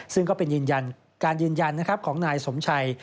ซึ่งก็เป็นการยืนยันของนายสมชัย